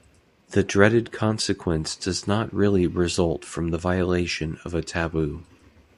The dreaded consequence does not really result from the violation of a taboo.